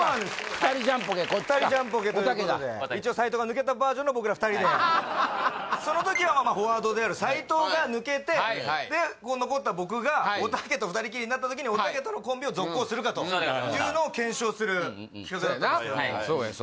２人ジャンポケこっちかおたけだ２人ジャンポケということで一応斉藤が抜けたバージョンの僕ら２人でその時はフォワードである斉藤が抜けてで残った僕がおたけと２人きりになった時におたけとのコンビを続行するかというのを検証する企画だったんですけどそやな